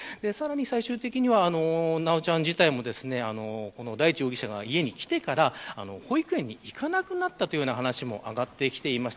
最終的には、修ちゃん自体も大地容疑者が家に来てから保育園に行かなくなったという話も上がってきています。